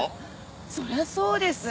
そりゃそうです！